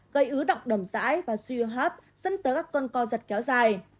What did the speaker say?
gây ứ động đầm rãi và suy hấp dẫn tới các con co giật kéo dài